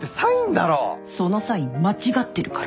そのサイン間違ってるから。